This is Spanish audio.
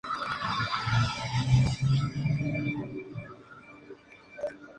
El nudo de la defensa enemiga estaba en el centro del pueblo.